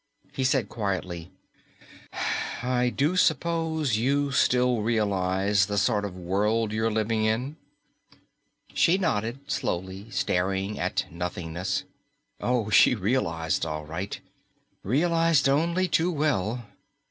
He said quietly, "I do suppose you still realize the sort of world you're living in?" She nodded slowly, staring at nothingness. Oh, she realized, all right, realized only too well.